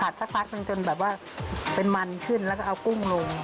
สักพักนึงจนแบบว่าเป็นมันขึ้นแล้วก็เอากุ้งลง